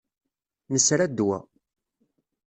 Nesra ddwa.